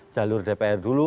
jalur dpr dulu